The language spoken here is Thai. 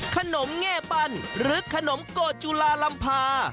ขนมเง้ปันหรือขนมโกจุลาลำพา